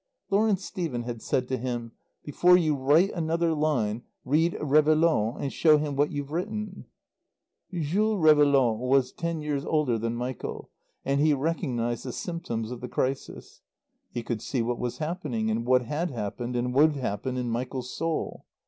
Lawrence Stephen had said to him: "Before you write another line read Réveillaud and show him what you've written." Jules Réveillaud was ten years older than Michael, and he recognized the symptoms of the crisis. He could see what was happening and what had happened and would happen in Michael's soul.